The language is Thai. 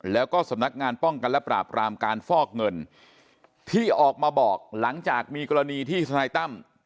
แล้วก็สำนักงานป้องกันและปราบรามการฟอกเงินที่ออกมาบอกหลังจากมีกรณีที่ทนายตั้ม